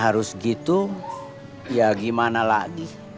harus gitu ya gimana lagi